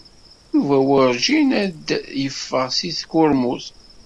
Yuba werǧin ad d-yeffeɣ seg tkurmut.